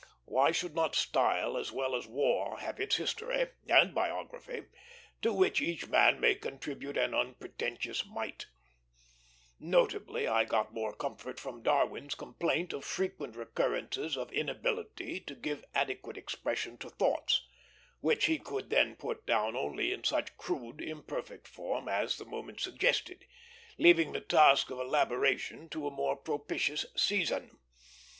Why should not style as well as war have its history and biography, to which each man may contribute an unpretentious mite? Notably, I got much comfort from Darwin's complaint of frequent recurrences of inability to give adequate expression to thoughts, which he could then put down only in such crude, imperfect form as the moment suggested, leaving the task of elaboration to a more propitious season.